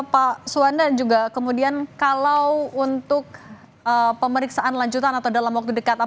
pak suwanda juga kemudian kalau untuk pemeriksaan lanjutan atau dan lainnya apa yang anda lakukan